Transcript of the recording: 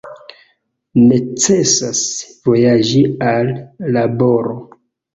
Necesas vojaĝi al laboro.